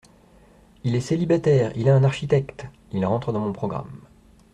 Il est célibataire, il a un architecte !… il rentre dans mon programme.